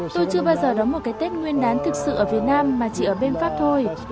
tôi chưa bao giờ đón một cái tết nguyên đán thực sự ở việt nam mà chỉ ở bên pháp thôi